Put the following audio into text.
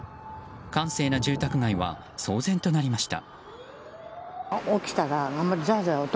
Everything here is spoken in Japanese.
閑静な住宅街は騒然となりました。